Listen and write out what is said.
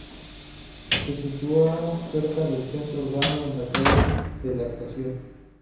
Se sitúa cerca del centro urbano en la calle de la Estación.